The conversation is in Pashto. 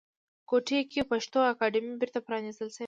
کوټې کې پښتو اکاډمۍ بیرته پرانیستل شوې ده